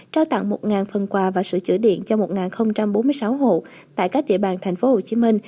trao tặng một phần quà và sửa chữa điện cho một bốn mươi sáu hộ tại các địa bàn tp hcm